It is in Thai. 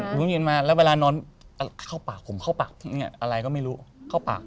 โมงเย็นมาแล้วเวลานอนเข้าปากผมเข้าปากอะไรก็ไม่รู้เข้าปาก